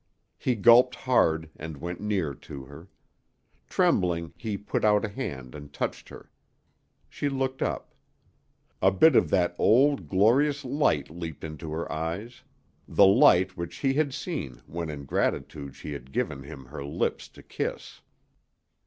He gulped hard, and went near to her. Trembling, he put out a hand and touched her. She looked up. A bit of that old, glorious light leaped into her eyes, the light which he had seen when in gratitude she had given him her lips to kiss.